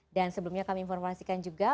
dan sebelumnya kami informasikan juga